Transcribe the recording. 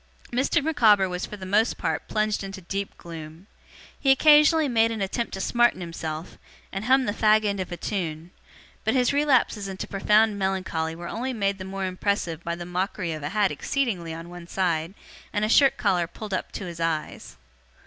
Mr. Micawber was for the most part plunged into deep gloom. He occasionally made an attempt to smarten himself, and hum the fag end of a tune; but his relapses into profound melancholy were only made the more impressive by the mockery of a hat exceedingly on one side, and a shirt collar pulled up to his eyes.